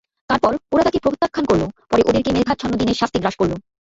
তারপর ওরা তাকে প্রত্যাখ্যান করল, পরে ওদেরকে মেঘাচ্ছন্ন দিনের শাস্তি গ্রাস করল।